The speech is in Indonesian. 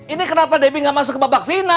ini kenapa debbie gak masuk ke babak final